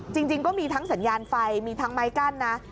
จริงก็มีทั้งสัญญาณไฟมีทั้งไม้กั้นนะ